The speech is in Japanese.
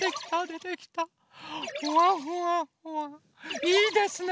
ふわふわふわいいですね。